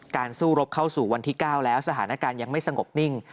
สู้รบเข้าสู่วันที่๙แล้วสถานการณ์ยังไม่สงบนิ่ง